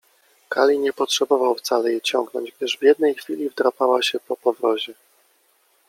Kali nie potrzebował wcale jej ciągnąć, gdyż w jednej chwili wdrapała się po powrozie.